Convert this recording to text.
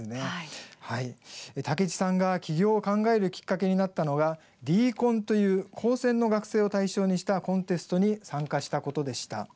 武智さんが起業を考えるきっかけになったのが「ＤＣＯＮ」という高専の学生を対象にしたコンテストに参加したことでした。